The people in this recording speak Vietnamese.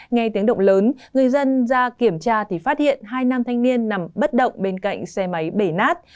nghe tiếng động lớn người dân ra kiểm tra thì phát hiện hai nam thanh niên nằm bất động bên cạnh xe máy bể nát